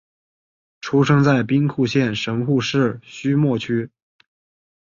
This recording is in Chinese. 出生在兵库县神户市须磨区。